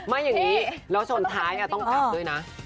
ไม่อย่างนี้แล้วชนท้ายต้องกลับด้วยนะ